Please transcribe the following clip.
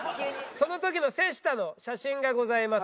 その時の瀬下の写真がございます。